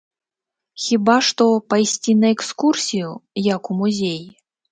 Хіба што пайсці на экскурсію, як у музей.